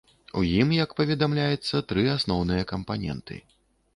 У ім, як паведамляецца, тры асноўныя кампаненты.